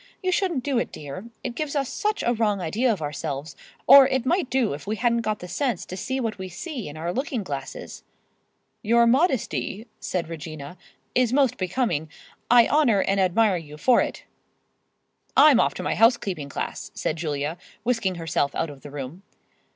You shouldn't do it, dear. It gives us such a wrong idea of ourselves, or it might do if we hadn't got the sense to see what we see in our looking glasses." "Your modesty," said Regina, "is most becoming. I honor and admire you for it—" "I'm off to my housekeeping class," said Julia, whisking herself out of the room.